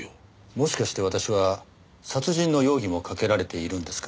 もしかして私は殺人の容疑もかけられているんですか？